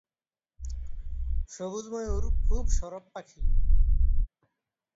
সবুজ ময়ূর খুব সরব পাখি।